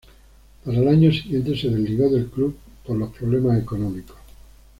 Para el año siguiente se desligó del club por los problemas económicos.